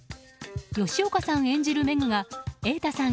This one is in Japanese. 吉岡さん演じる廻が瑛太さん